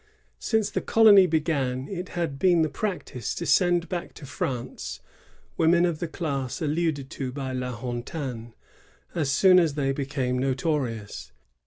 Since the colony began, it had been the practice to send back to France women of the class alluded to by La Hontan, as soon as they became notorious.